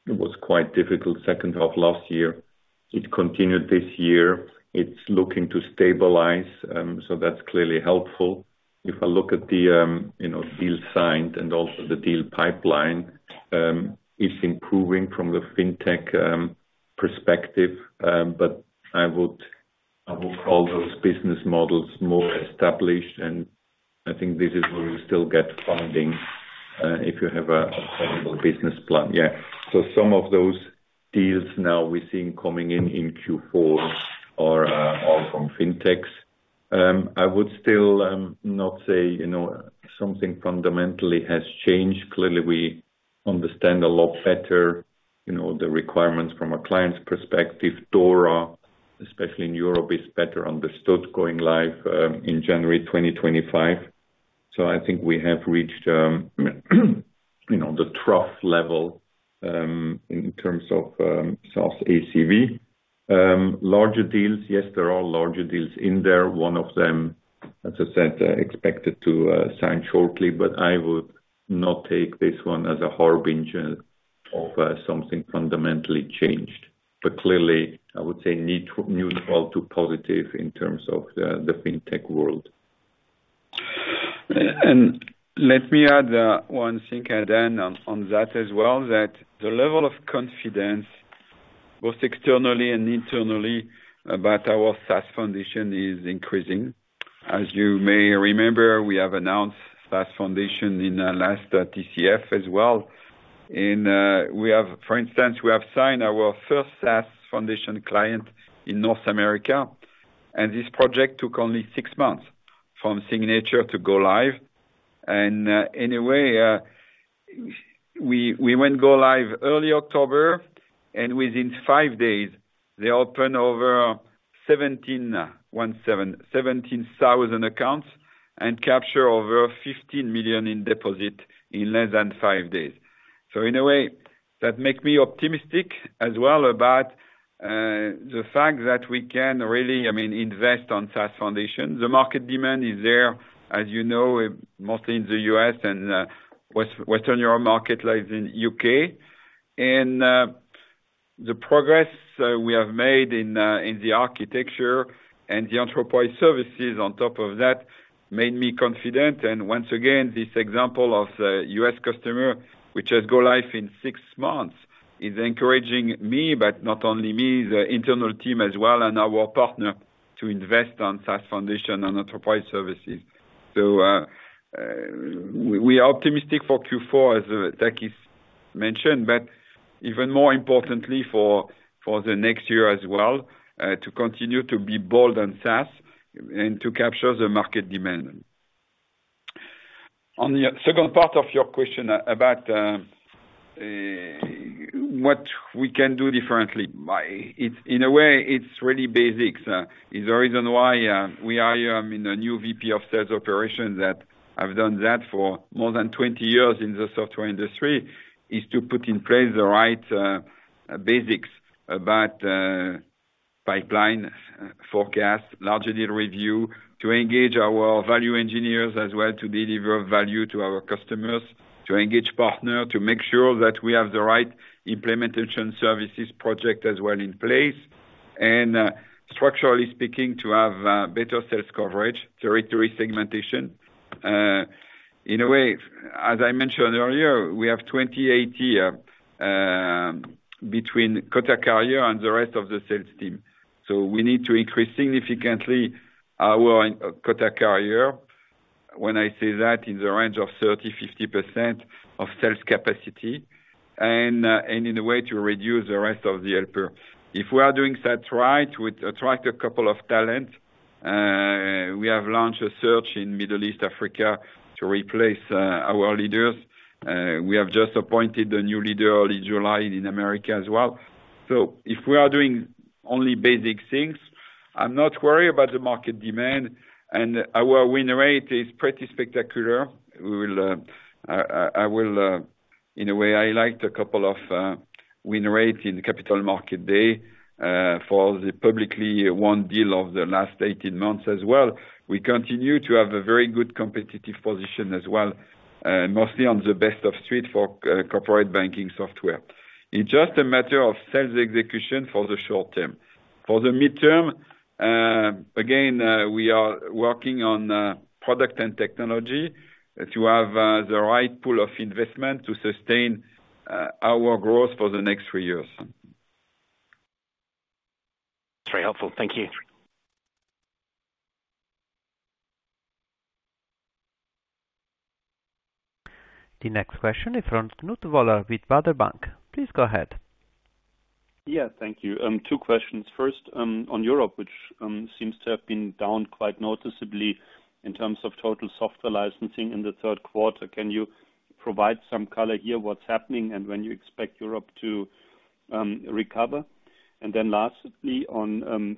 it was quite difficult second half last year. It continued this year. It's looking to stabilize. So that's clearly helpful. If I look at the you know, deals signed and also the deal pipeline, it's improving from the fintech perspective. But I would call those business models more established, and I think this is where you still get funding if you have a viable business plan. Yeah. So some of those deals now we're seeing coming in in Q4 are from fintechs. I would still not say, you know, something fundamentally has changed. Clearly, we understand a lot better, you know, the requirements from a client's perspective. DORA, especially in Europe, is better understood, going live in January 2025. So I think we have reached, you know, the trough level in terms of SaaS ACV. Larger deals, yes, there are larger deals in there. One of them, as I said, expected to sign shortly, but I would not take this one as a harbinger of something fundamentally changed. But clearly, I would say need neutral to positive in terms of the fintech world. Let me add one thing on that as well, that the level of confidence, both externally and internally, about our SaaS Foundation, is increasing. As you may remember, we have announced SaaS Foundation in last TCF as well. And we have, for instance, signed our first SaaS Foundation client in North America, and this project took only 6 months from signature to go live. And in a way, we went go live early October, and within 5 days, they opened over 17,000 accounts and capture over $15 million in deposit in less than 5 days. So in a way, that makes me optimistic as well about the fact that we can really, I mean, invest on SaaS Foundation. The market demand is there, as you know, mostly in the U.S. and Western Europe market, like in U.K. The progress we have made in the architecture and the enterprise services on top of that made me confident. And once again, this example of a U.S. customer, which has go live in six months, is encouraging me, but not only me, the internal team as well, and our partner, to invest on SaaS foundation and enterprise services. We are optimistic for Q4 as Takis mentioned, but even more importantly for the next year as well to continue to be bold on SaaS, and to capture the market demand. On the second part of your question about what we can do differently. It's, in a way, it's really basics. The reason why we are here, I mean, a new VP of sales operation, that I've done that for more than 20 years in the software industry, is to put in place the right basics about pipeline forecast, large deal review, to engage our value engineers as well, to deliver value to our customers, to engage partner, to make sure that we have the right implementation services project as well in place, and structurally speaking, to have better sales coverage, territory segmentation. In a way, as I mentioned earlier, we have 20-80 between quota carrier and the rest of the sales team. So we need to increase significantly our quota carrier. When I say that, in the range of 30-50% of sales capacity, and in a way to reduce the rest of the helper. If we are doing that right, we attract a couple of talent. We have launched a search in Middle East Africa to replace our leaders. We have just appointed a new leader in July, in America as well. So if we are doing only basic things, I'm not worried about the market demand, and our win rate is pretty spectacular. We will, in a way, I liked a couple of win rate in Capital Markets Day, for the publicly won deal of the last 18 months as well. We continue to have a very good competitive position as well, mostly on the best of breed for corporate banking software. It's just a matter of sales execution for the short term. For the midterm, again, we are working on product and technology to have the right pool of investment to sustain our growth for the next three years. It's very helpful. Thank you. The next question is from Knut Woller with Baader Bank. Please go ahead. Yeah. Thank you. Two questions. First, on Europe, which seems to have been down quite noticeably in terms of total software licensing in the third quarter. Can you provide some color here, what's happening, and when you expect Europe to recover? And then lastly, on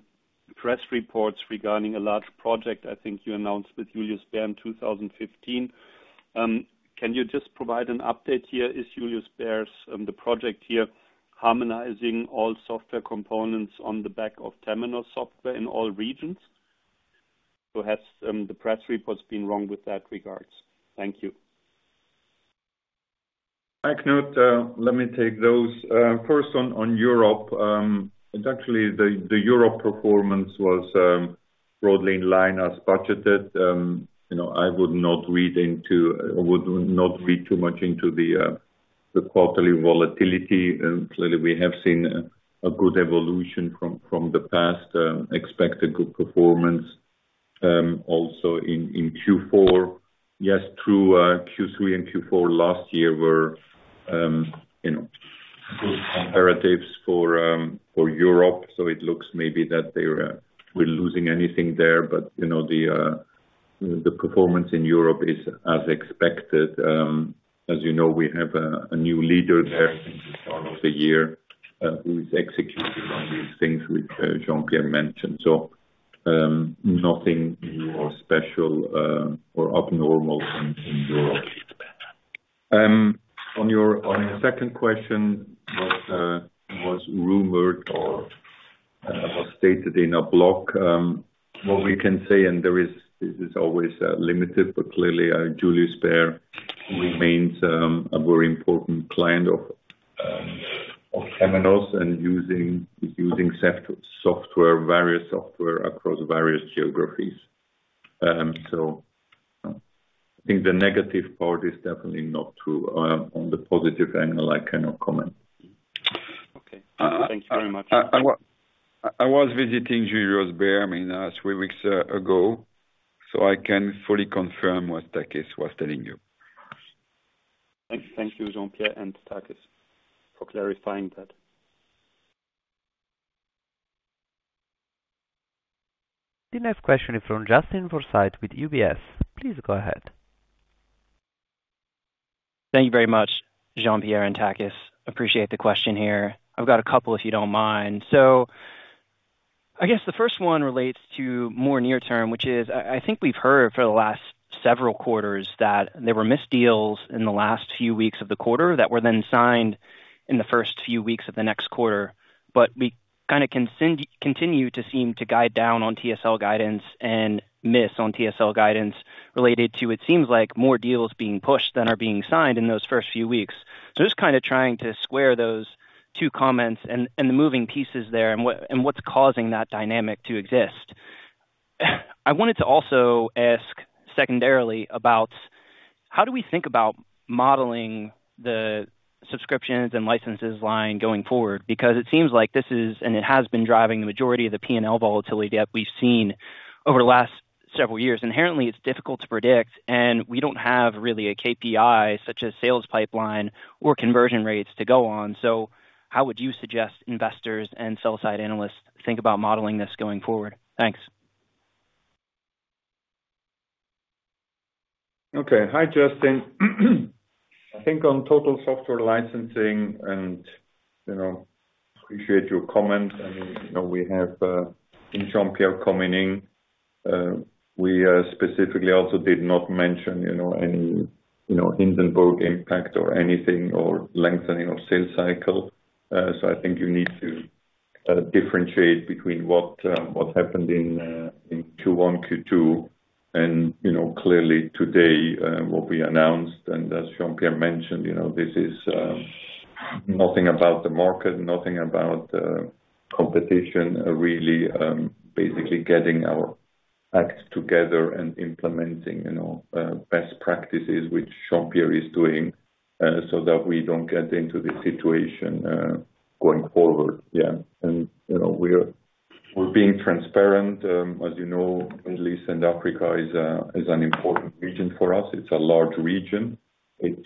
press reports regarding a large project I think you announced with Julius Baer in twenty fifteen, can you just provide an update here? Is Julius Baer's the project here, harmonizing all software components on the back of Temenos software in all regions? Or has the press reports been wrong with that regards? Thank you. Hi, Knut, let me take those. First on Europe. Actually, the Europe performance was broadly in line as budgeted. You know, I would not read into... I would not read too much into the quarterly volatility. Clearly, we have seen a good evolution from the past, expect a good performance also in Q4. Yes, true, Q3 and Q4 last year were, you know, good comparatives for Europe, so it looks maybe that they're, we're losing anything there. But, you know, the performance in Europe is as expected. As you know, we have a new leader there in the start of the year, who is executing on these things which Jean-Pierre mentioned. So, nothing new or special, or abnormal in Europe. On your second question, what was rumored or was stated in a blog, what we can say, and this is always limited, but clearly, Julius Baer remains a very important client of Temenos, and is using Temenos software across various geographies. So I think the negative part is definitely not true. On the positive angle, I cannot comment. Okay. Thank you very much. I was visiting Julius Baer, I mean, three weeks ago, so I can fully confirm what Takis was telling you. Thank you, Jean-Pierre and Takis, for clarifying that. The next question is from Justin Forsythe with UBS. Please go ahead. Thank you very much, Jean-Pierre and Takis. Appreciate the question here. I've got a couple, if you don't mind. So-... I guess the first one relates to more near term, which is, I think we've heard for the last several quarters that there were missed deals in the last few weeks of the quarter, that were then signed in the first few weeks of the next quarter. But we kinda continue to seem to guide down on TSL guidance and miss on TSL guidance, related to, it seems like more deals being pushed than are being signed in those first few weeks. So just kind of trying to square those two comments and the moving pieces there, and what, and what's causing that dynamic to exist? I wanted to also ask secondarily, about how do we think about modeling the subscriptions and licenses line going forward? Because it seems like this is, and it has been driving the majority of the P&L volatility that we've seen over the last several years. Inherently, it's difficult to predict, and we don't have really a KPI, such as sales pipeline or conversion rates to go on. So how would you suggest investors and sell side analysts think about modeling this going forward? Thanks. Okay. Hi, Justin. I think on total software licensing and, you know, appreciate your comment. I mean, you know, we have, in Jean-Pierre coming in, we, specifically also did not mention, you know, any, you know, Hindenburg impact or anything, or lengthening of sales cycle. So I think you need to, differentiate between what, what happened in, in Q1, Q2, and, you know, clearly today, what we announced. And as Jean-Pierre mentioned, you know, this is, nothing about the market, nothing about, competition. Really, basically getting our act together and implementing, you know, best practices, which Jean-Pierre is doing, so that we don't get into this situation, going forward. Yeah. And, you know, we're being transparent, as you know, Middle East and Africa is, is an important region for us. It's a large region. It's,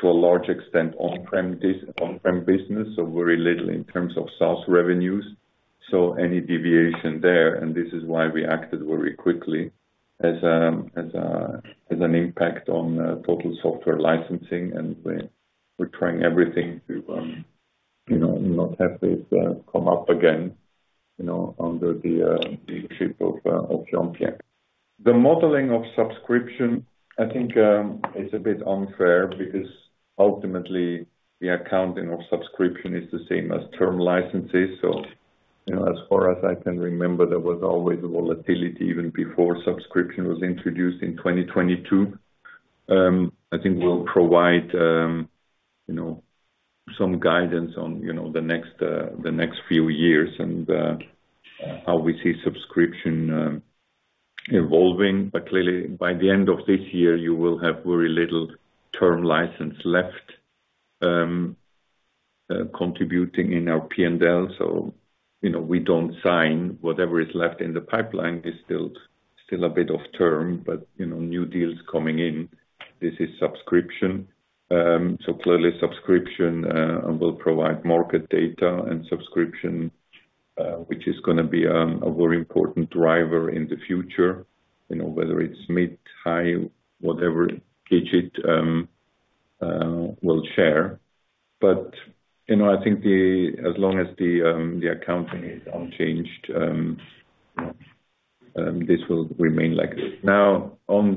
to a large extent, on-prem business, so very little in terms of SaaS revenues. So any deviation there, and this is why we acted very quickly, has an impact on total software licensing, and we're trying everything to, you know, not have this come up again, you know, under the leadership of Jean-Pierre. The modeling of subscription, I think, is a bit unfair, because ultimately the accounting of subscription is the same as term licenses. So, you know, as far as I can remember, there was always volatility even before subscription was introduced in 2022. I think we'll provide, you know, some guidance on, you know, the next few years, and how we see subscription evolving. But clearly, by the end of this year, you will have very little term license left, contributing in our P&L. So, you know, we don't sign. Whatever is left in the pipeline is still a bit off term, but, you know, new deals coming in, this is subscription. So clearly subscription will provide market data, and subscription, which is gonna be, a very important driver in the future, you know, whether it's mid, high, whatever digit, we'll share. But, you know, I think as long as the accounting is unchanged, this will remain like this. Now on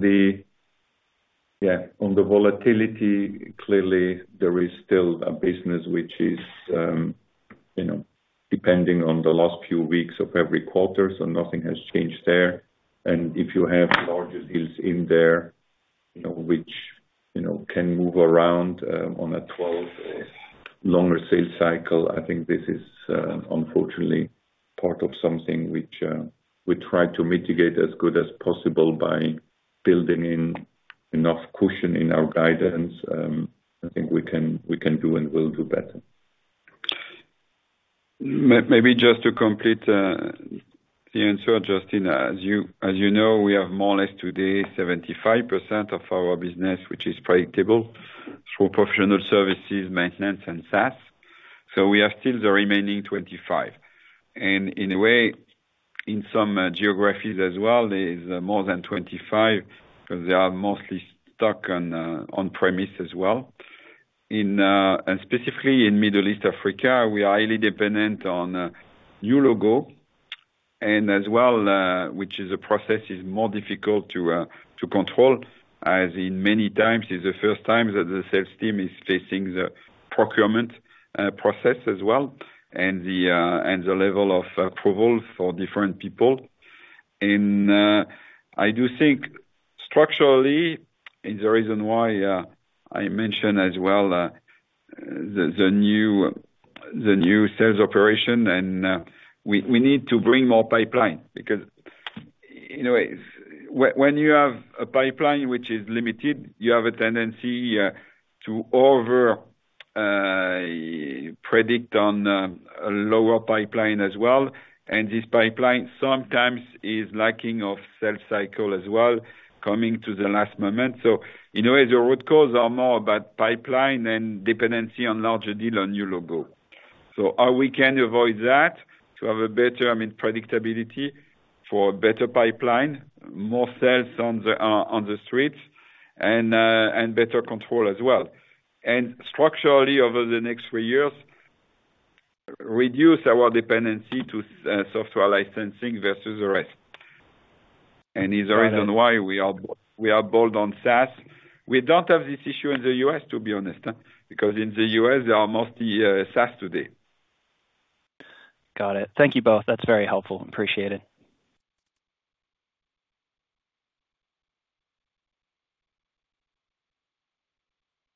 the, yeah, on the volatility, clearly there is still a business which is, you know, depending on the last few weeks of every quarter, so nothing has changed there. And if you have larger deals in there, you know, which, you know, can move around, on a 12- or longer sales cycle, I think this is, unfortunately, part of something which, we try to mitigate as good as possible by building in enough cushion in our guidance. I think we can, we can do and will do better. Maybe just to complete the answer, Justin, as you know, we have more or less today 75% of our business, which is predictable through professional services, maintenance, and SaaS. So we have still the remaining 25%, and in a way, in some geographies as well, there is more than 25%, because they are mostly stuck on on-premise as well. And specifically in Middle East and Africa, we are highly dependent on new logo, and as well, which is a process, is more difficult to control, as in many times, it's the first time that the sales team is facing the procurement process as well, and the level of approval for different people. And I do think structurally is the reason why I mentioned as well the new sales operation. And we need to bring more pipeline, because you know when you have a pipeline which is limited, you have a tendency to over predict on a lower pipeline as well. And this pipeline sometimes is lacking of sales cycle as well, coming to the last moment. So in a way, the root causes are more about pipeline and dependency on larger deal on new logo. So how we can avoid that, to have a better, I mean, predictability for better pipeline, more sales on the streets, and better control as well. And structurally, over the next three years, reduce our dependency to software licensing versus the rest. And is the reason- Got it. Why we are, we are bold on SaaS. We don't have this issue in the US, to be honest, because in the US, they are mostly SaaS today. Got it. Thank you both. That's very helpful. Appreciate it.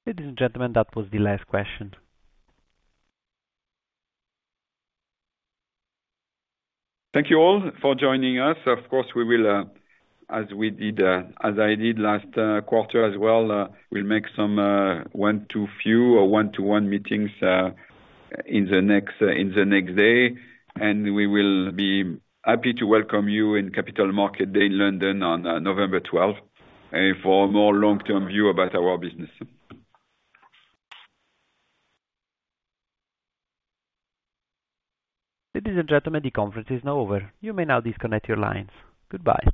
Ladies and gentlemen, that was the last question. Thank you all for joining us. Of course, we will, as we did, as I did last quarter as well, we'll make some one to few or one-to-one meetings, in the next day. We will be happy to welcome you in Capital Markets Day in London on November twelfth, for more long-term view about our business. Ladies and gentlemen, the conference is now over. You may now disconnect your lines. Goodbye.